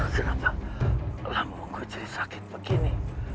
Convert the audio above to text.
kenapa lambungku jadi sakit begini